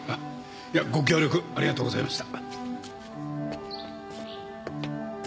いやご協力ありがとうございました。